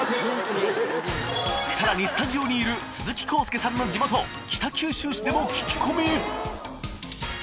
さらにスタジオにいる鈴木浩介さんの地元北九州市でも聞き込み！